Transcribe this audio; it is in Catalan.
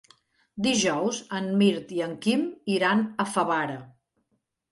Dijous en Mirt i en Quim iran a Favara.